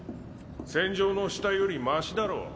戦場の死体よりマシだろ。